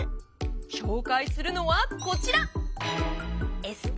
紹介するのはこちら！